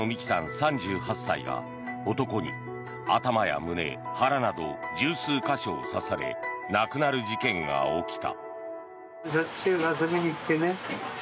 ３８歳が男に頭や胸、腹など１０数か所を刺され亡くなる事件が起きた。